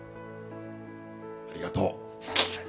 ありがとう。